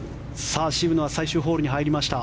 渋野は最終ホールに入りました。